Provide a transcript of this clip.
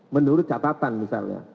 menurut catatan misalnya